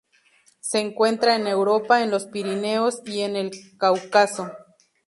Se encuentra en Europa en los Pirineos y en el Cáucaso.